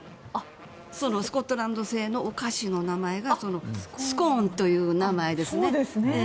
スコットランド製のお菓子の名前がスコーンという名前ですね。